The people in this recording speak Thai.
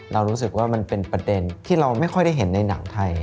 เรารู้สึกว่ามันเป็นประเด็นที่เราไม่ค่อยได้เห็นในหนังไทย